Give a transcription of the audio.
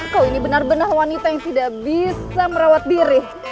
kok ini benar benar wanita yang tidak bisa merawat diri